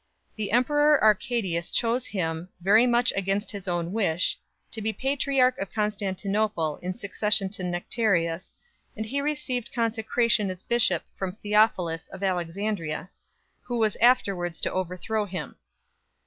The emperor Arcadius chose him, very much against his own wish, to be patriarch of Constantinople in succession to Nectarius, and he received consecration as bishop from Theophilus of Alexandria, who was afterwards to over throw him.